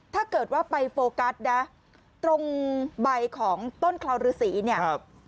ถ้าเกิดว่าไปโฟกัสนะตรงใบของต้นคลาวฤษีเนี่ย